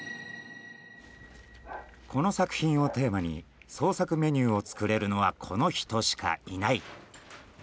この作品をテーマに創作メニューを作れるのはこの人しかいない！